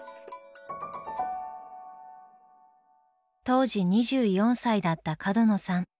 当時２４歳だった角野さん。